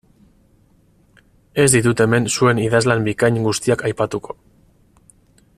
Ez ditut hemen zuen idazlan bikain guztiak aipatuko.